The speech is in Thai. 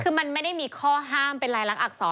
คือมันไม่ได้มีข้อห้ามเป็นลายลักษณอักษร